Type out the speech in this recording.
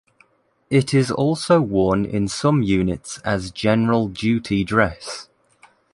It is also worn in some units as general duty dress.